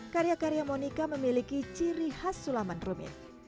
karya karya monika memiliki ciri khas sulaman rumit